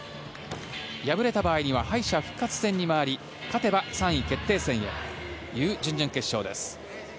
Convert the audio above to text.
敗れた場合には敗者復活戦に回り勝てば３位決定戦へという準々決勝です。